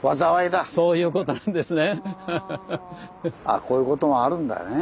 あぁこういうこともあるんだね。